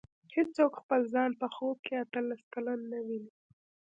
هېڅوک خپل ځان په خوب کې اته لس کلن نه ویني.